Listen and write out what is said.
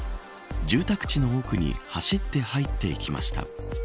住宅地の奥に走って入っていきました。